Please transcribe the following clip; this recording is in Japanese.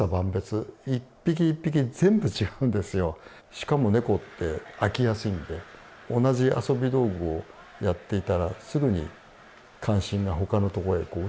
しかもネコって飽きやすいんで同じ遊び道具をやっていたらすぐに関心がほかのとこへ移ってしまうんですよね。